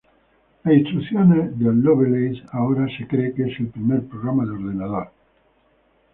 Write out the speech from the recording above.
Las instrucciones del Lovelace ahora se cree que es el primer programa de ordenador.